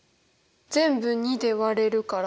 全部２で割れるから？